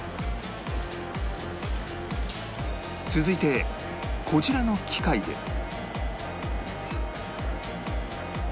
続いてこちらの機械で